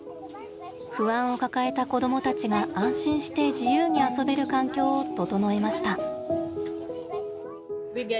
不安を抱えた子どもたちが安心して自由に遊べる環境を整えました。